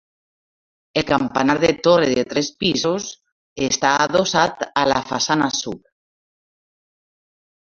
El campanar de torre de tres pisos està adossat a la façana sud.